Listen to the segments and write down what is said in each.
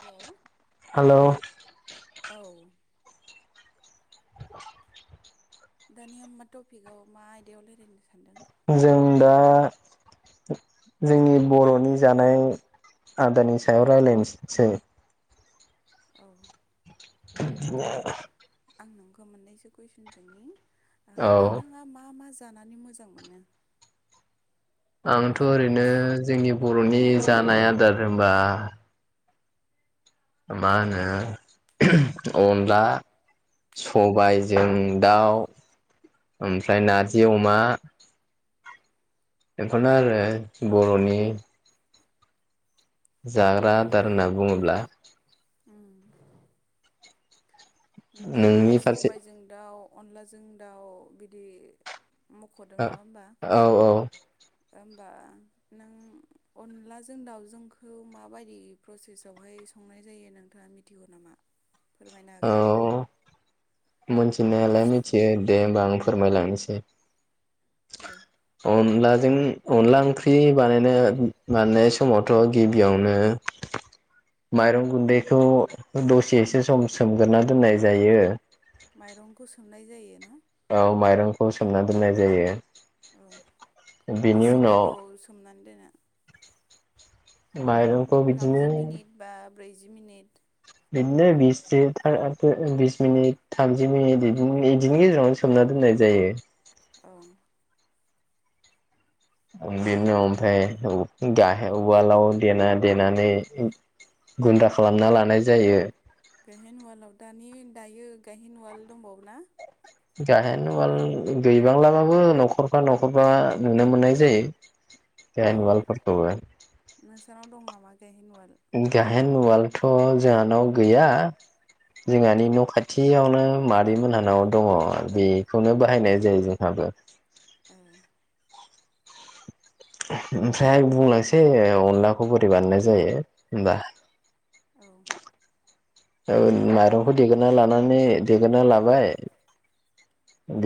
हेल'! औ दानिया मा टपिकआव मा आयदायाव रायज्लायनो सानदों? जों दा जोंनि बर'नि जानाय आदारनि सायाव राय्लायनोसै, औ दे बिदिब्ला आं नोंखौ मोननैसो कुइसन सोंनि, ओ नोंथांङा मा? मा? जानानै मोजां मोनो? आंथ' ओरैनो जोंनि बर'नि जानाय आदार होनबा, मा होनो? अनला, सबायजों दाउ, ओमफ्राय नारजि अमा बेखौनो आङो बर'नि जाग्रा आदार होनना बुंङोब्ला नोंथांङाथ' सबायजों दाउ अनलाजों दाउ बिदि औ औ दा होनबा नों अनलाजों दाउजोंखौ माबायदि प्रसेसआवहाय संनाय जायो नोंथाङा मिथिगौ‌ नामा? फोरमायनो हागोन नामा? मिथिनाया लाय मिथियो देम बा आं फोरमायलांनोसै अनला जों अनला ओंख्रि बानायनो बानायनाय समावथ' गिबियावनो माइरं गुन्दैखौ दसे एसे सम सोमग्रोना दोननाय जायो माइरंखौ सोमनाय जायो ना औ माइरंखौ सोमना दोननाय जायो औ बेसे गोबाव सोमनानै दोना [inaudible] माइरंखौ बिदिनो ब्रैजि मिनिट बिदिनो बिस सो था ओ बिस मिनिट थामजि मिनिट बिदि बिदिनि गेजेरावनो सोमना दोननाय जायो‌ औ। बिदिनो ओमफाय गायहेन उवालाव देना देनानै गुन्द्रा खालामना लानाय जायो। गायहेन उवालाव दानि दायो गायहेन उवाल दंबावो ना? गाहेन उवाल गैबांलाबाबो न'खरफा न'खरफा नुनो मोननाय जायो। गायहेन उवालफोरखौबो। गाहेन उवालथ' जोंहानाव गैया। जोंहानि न' खाथियावनो मादै मोनहानाव दङ बेखौनो बाहायनाय जायो जोंहाबो। ए। ओमफ्राय बुंलां एसे अनलाखौ बोरै बानायनाय जायो होनबा। औ। औ माइरं देगोरना लानानै देगोरना लाबाय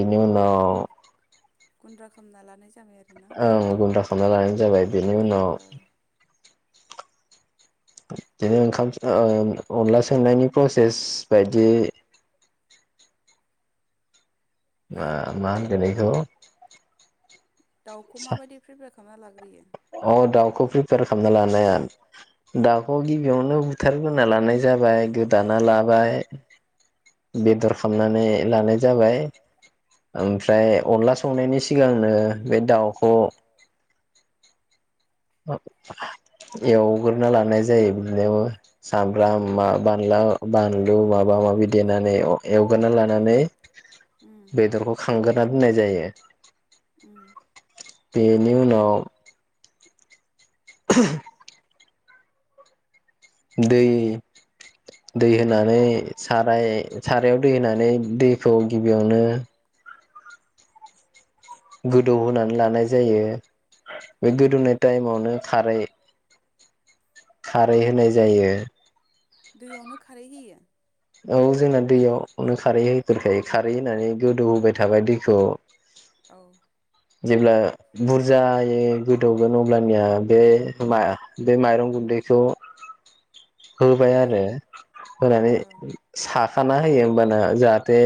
बिनि उनाव गुन्द्रा खामना लानाय ओं गुन्द्रा खालामना लानाय जाबाय बेनि उनाव बिदिनो ओंखाम ओ अनला सोमनायनि प्रसेस बायदि मा मा होनगोन इखौ? दाउखौ माबायदि प्रिपेयर खालामना ला ग्रोयो। अ दाउखौ‌ प्रिपेयर खालामना लानाया दाउ अ गिबियावनो बुथारग्रोना लानाय जाबाय गोदाना लाबाय बेदर खालामनानै लानाय जाबाय ओमफ्राय अनला संनायनि सिगांनो बे दाउखौ औ एवगोर ना लानाय जायो बिदिनो सामब्रामा बानला बानलु माबा माबि देनानै एव एवगोरना लानानै बेदरखौ खांगोरना दोननाय जायो बेनि उनाव [inaudible] दै दै होनानै साराय सारायाव दै होनानै दैखौ गिबियावनो गोदौहोनानै लानाय जायो बे गोदौनाय टाइमावनो खारै खारै होनाय जायो। दैयावनो खारै होयो। औ जोंना दैयावनो खारै होग्रोखायो खारै होनानै गोदौ होबाय थाबाय दैखौ। औ। जेब्ला बुरजायै गोदौगोन अब्लानिया बे मा बे माइरं गुन्दैखौ होबाय आरो होनानै सा खाना होयो ओमबाना जा ते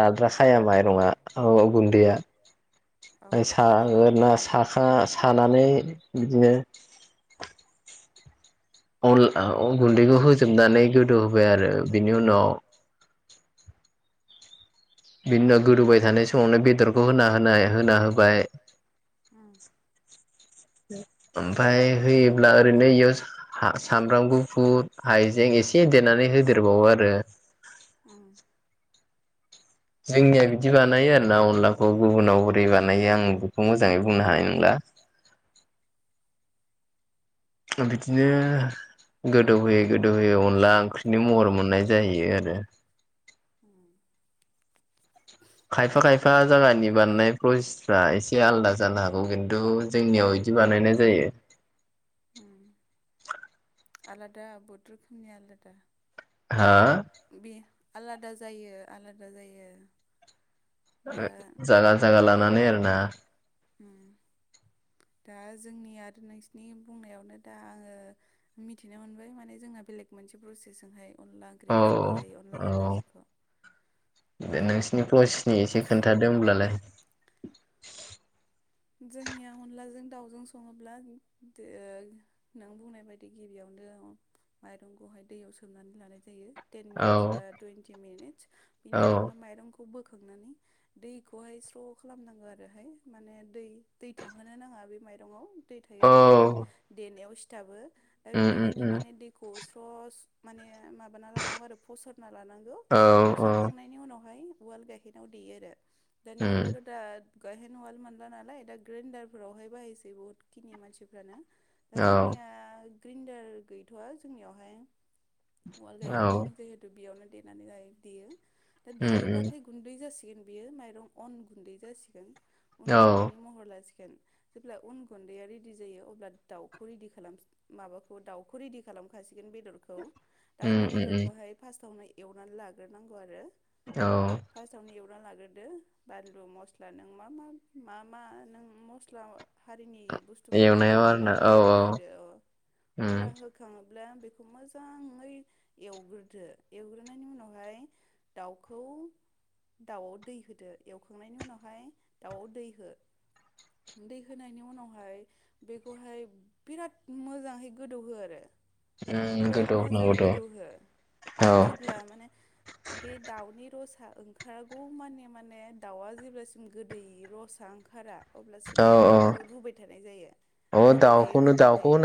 लाद्राखाया माइरङा अन गुन्दैया। गोसा होना साखा सानानै बिदिनो अन ओ गुन्दैखौ होजोबनानै गोदौहोबाय आरो बिनि उनाव बिनि उनाव गोदौबाय थानाय समावनो बेदरखौ होना होनाय होना होबाय। ओमफ्राय होयोब्ला ओरैनो येयाव हा सामब्राम गुफुर हाइजें एसे देरनानै होदेरबावो आरो। जोंनिया बिदि बानायो आरोना अनलाखौ गुबुनाव बोरै बानायो आं बेखौ मोजाङै बुंनो हानाय नोंला। बिदिनो गोदौहोयै गोदौ होयै अनला ओंख्रिनि महर मोननाय जायो आरो। खायफा खायफा जायगानि बानायनाय प्रसेएसफोरा एसे आलादा जानो हागौ खिन्थु जोंनियाव बिदि बानायनाय जायो। आलादा बहुद रोखोमनिया आलादा। बे आलादा जायो आलादा जायो। जागा जागा लानानै आरोना उम दा जोंनि आरो नोंसिनि बुंनायावनो दा आङो मिथिनो मोनबाय माने जोंना बेलेग मोनसे प्रसेसजोंहाय औ औ दे नोंसिनि प्रसेसनि एसे खोन्थादों होनब्लालाय [unintelligible] जोंनिया अनलाजों दाउजों सङोब्ला नों बुंनाय बायदि गिबियावनो माइरंखौहाय दैयाव सोमनानै लानाय जायो। टेन मिनिटस बा टुवेन्टि मिनिटस बिनि उनावहाय माइरं खौ बोखांनानै दैखौहाय स्र' खालामनांगौ आरोहाय माने दै दै थाहोनो नाङा बे माइरंआव दै थायोब्ला माने देनायाव सिथाबो दा बेनिखायनो माने दैखौ कस माने माबाना लानांगौ आरो फसरना लानांगौ फसरखांनायनि उनावहाय उवाल गायहेनाव देयो आरो। दानि जुगावथ' दा गायहेन उवाल मोन ला नालाय दा ग्रेनडार फोरावहाय बाहायसै बुहुत खिनि मानसिफ्रा ना जोंनिया ग्रेन्डार गैथ'आ जोंनियावहाय उवाल गायहेन दङ जिहेथु बेयावनो देनानै जायो देयो। दा दैयोबाथाय गुन्दै जासि गोन बियो माइरं अन गुन्दै जासिगोन। औ गोन जेब्ला अन गुन्दैया रेदि जायो अब्ला दाउखौ रेदि खालाम माबाखौ दाउखौ रेडि खालामखासिगोन बेदरखौ दाउनि बेदरखौहाय फास्टावनो एवनानै लाग्रोनांगौ आरो। औ ना लाग्रोदो बानलु मस्ला नों मा मा मा मा नों मस्ला हारिनि बुस्थुफोरखौ होयो नों होनानै होदो अ अब्ला होखां ब्लाबेखौ मोजाङै एवग्रोदो, एवग्रोनायनि उनावहाय दाउखौ दाउ दै होदो एवखांनायनि उनावहाय दाउ दै हो दै होनायनि उनावहाय बेखौहाय बिराद मोजाङै गोदौहो आरो बिराद मोजां गोदौहो जेब्ला माने बे दाउनि रसा ओंखारागौ माने माने दाउआ जेब्लासिम गोदै र' सा ओंखारा अब्लासिम माने बेखो रुबाय थानाय जायो। रुबाय थायो रुबाय थायो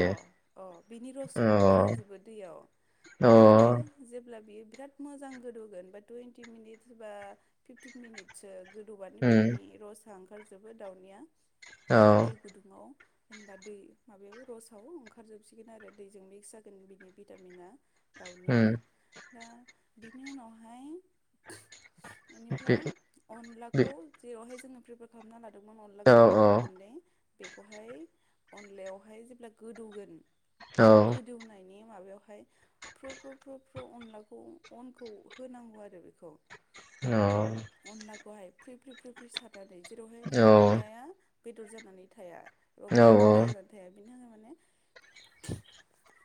अ अ बेनि रसखौ ओंखारहोजोबो दैयाव। इनिफ्राय जेब्ला बियो बिराद मोजां गोदौगोन बा दुइ टिन मिनिटस बा फिफटिन मिनिटसो गोदौबानो बिनि रस ओंखारजोबो दाउनिया दै गुदुंङाव जेनबा दै माबायाव रसाव ओंखारजोबसिगोन आरो दैजों मिक्स जागोन बिनि भिटामिना दावनिया दा बिनि उनावहाय इनिफ्राय अनलाखौ जे बेवहाय जोङो प्रिपार खालामना लाग दोंमोन अनला गुन्दै अन गुन्दै बेखौहाय अनलायावहाय जेब्ला गोदौगोन बे गोदौनायनि माबायावहाय फ्रु फ्रु फ्रु फ्रु अनलाखौ अनखौ होनांगौ आरो बेखौ औ खौहाय फ्रि फ्रि फ्रि फ्रि साथ रादाय [unintelligible] माने अनलाया बेदर जानानै थाया ओब गथा जानानै थाया बिन थाखाय माने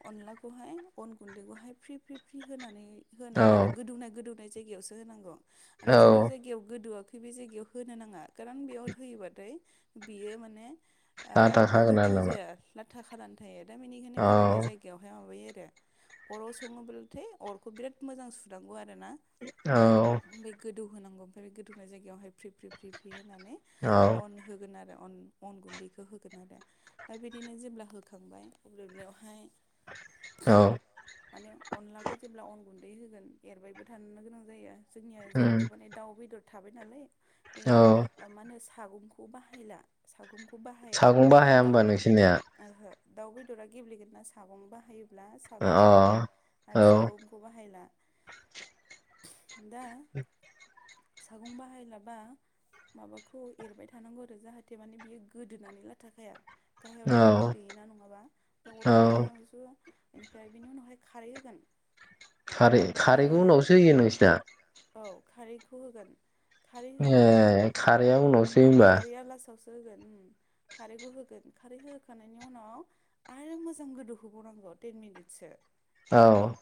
अनलाखौहाय अन गुन्दैखौहाय फ्रि फ्रि फ्रि होनानै होनांगौ आरो गोदौनाय गोदौनाय जायगायावसो होनांगौ ओ जेराव जायगायाव गोदौआखै बे जायगायाव होनो नाङा कारन बेयाव थ होयोबाथाय बेयो माने ओ रुफु जाया ला था खानानै थायो। दा बेनिखायनो गोदौनाय जायगायावहाय [unintelligible] दे अराव सङोब्लाथाय अरखौ बिराद मोजां सुनांगौ आर राना बे गोदौ होनांगौ आरो गोदौनाय जायगायावहाय फ्रि फ्रि फ्रि फ्रि हो होनानै अन होगोन आरो अन अन गुन्दैखौ होगोन आरो दा बिदिनो जेब्ला होखांबाय अब्ला बेवहाय माने अनलाखौ जेब्ला अन गुन्दै होगोन एरबायबो थाननो गोनां जायो। जोंनिया जिहेतु माने बेदर थाबाय नालाय बे ओ मानोस सागंखौ बाहायला सागं खौ बाहाया मा दाउ ओहो दाउ बेदरा गेबलेगोनना सागं बाहायोब ब्ला सागं सायोबा आथ सागंखौ बाहायला। दा सागं बाहायलाबा माबाखौ एरबाय थानांगौ आरो जाहाथे माने बियो गोदोनानै लाथाखाया। गाहायाव गोदोयो ना नङाबा बा अरखौ मोजां सु बेनिफ्राय बेनि उनावहाय खारै होगोन। खारै खारैखौ उनावसो होयो नोंसिना। औ खारै। होगोन। ए खारैया उनावसो होनबा। होगोन खारैखौ होगोन खारै होखांनायनि उनाव आरो मोजां गोदौहोबावनांगौ टेन मिनिटसो। औ।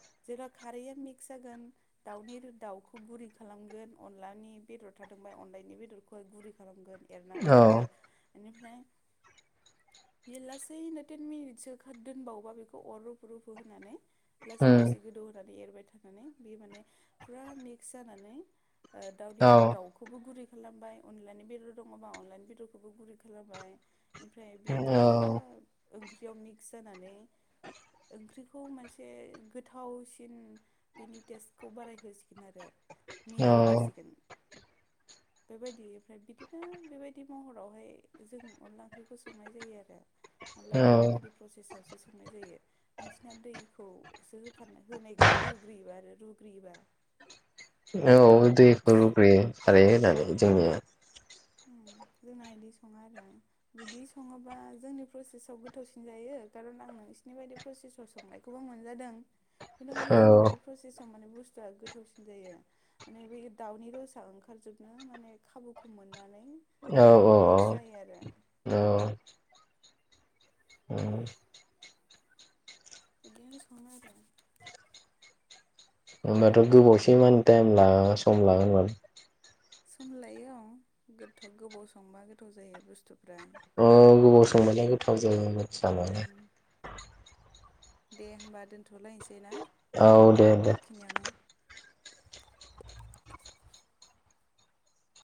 खारैआ मिक्स जागोन दाउनि दाउखौ गुरै खालामगोन। अनलानि बेदर थादोंबा अनलानि बेदरखौ गुरै खालामगोन। एरनानै होदो। बेनिफ्राय बेयो लासैनो टेन मिनिटसो दोनबावोबा बेखौ अर रुफु रुफु होनानै लासै लासै गोदौ होनोनानै। एरबाय थानानै बे माने फुरा मिक्स जानानै दाउनि दाउखौबो गुरै। खालामबाय अनलानि बेदर दङबा अनलानि बेदरखौबो गुरै खालामबाय। ओमफ्राय बेफोरो। ओंख्रियाव मिक्स जानानै ओंख्रिखौ मोनसे गोथावसिन बिनि टेस्टखौ बाराय होसिगोन आरो। औ। बेबायदि ओमफ्राय बिदिनो बेबायदि महरावहाय जों अनला ओंख्रिखौ संनाय जायो आरो। अ'नलाखौ बेबायदि प्रसेसावसो संनाय जायो नोंसोरना दैखौसो होग्रोयोबा आरो रुग्रोयोबा। औ दैखौ रुग्रोयो खारै होननानै जोंनिया। जोंना बिदि सङा आरो बिदि सङोबा जोंनि प्रसेसआव गोथावसिन जायो खारन आं नोंसिनि बायदि प्रसेसाव संनायखौबो मोनजादों। खिन्थु जोंनि बेदि प्रसेसआव माने - जानो गोथावसिन जायो माने बै दावनि र'सा ओंखारजोबनो माने खाबुखौ मोनो। ओंखारजोबना ओंख्रियाव मिक्स जायो आरो। औ। बिदिनो सङो आरो। होमबाथ' गोबाव मानि सम लागोन होनबाथ'। सम लायो औ गोथाव गोबाव संबा गोथाव जायो बुस्थुफ्रा। अ' गोबाव समबाथाय गोथाव जायो नंगौ। जानाया। दे होमबा दोनथ'लायसै। ना बेखिनियावनो।